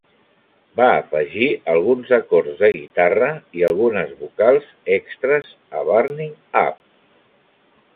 Va afegir alguns acords de guitarra i algunes vocals extres a "Burning Up".